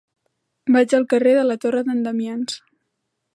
Vaig al carrer de la Torre d'en Damians.